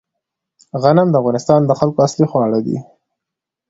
غنم د افغانستان د خلکو اصلي خواړه دي